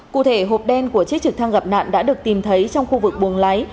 cụ thể hộp đen của chiếc trực thăng gặp nạn đã được tìm thấy trong khu vực buồng lái